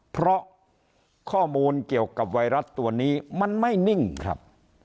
เพราะข้อมูลเกี่ยวกับไวรัสตัวนี้มันไม่นิ่งครับ